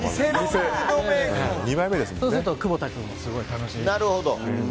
そうすると窪田君もすごく楽しんで。